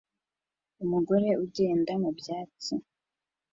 Umugore ugenda mu byatsi